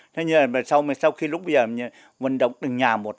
thế nhưng mà sau khi lúc bây giờ nguồn động từng nhà một